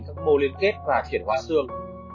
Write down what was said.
các mô liên kết và triển hóa sương